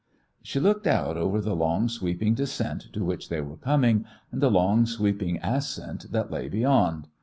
She looked out over the long sweeping descent to which they were coming, and the long sweeping ascent that lay beyond.